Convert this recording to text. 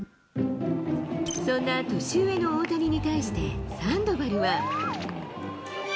そんな年上の大谷に対して、サンドバルは。